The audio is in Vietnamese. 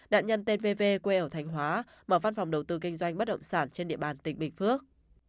đạn nhân tên vv quê ở thành hóa mở văn phòng đầu tư kinh doanh bất động sản trên địa bàn tỉnh bình phước